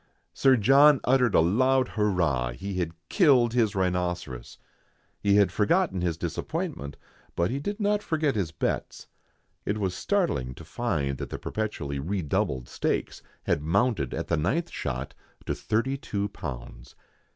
Sir John uttered a loud hurrah ; he had killed his rhinoceros. He had forgotten his disappointment, but he did not forget his bets. It was startling to find that the perpetually redoubled stakes had mounted at the ninth THREE ENGLISHMEN AND THREE RUSSIANS. 145 shot to 32